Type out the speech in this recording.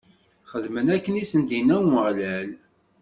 Xedmen akken i sen-d-inna Umeɣlal.